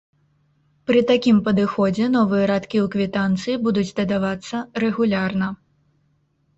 Пры такім падыходзе новыя радкі ў квітанцыі будуць дадавацца рэгулярна.